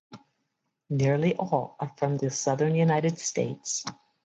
Nearly all are from the Southern United States.